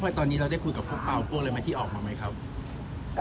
แล้วพอตอนนี้เราได้คุยกับพวกเปล่าอะไรที่ออกมาไหมครับ